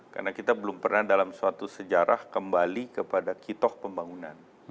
karena kita belum pernah dalam suatu sejarah kembali kepada kitoh pembangunan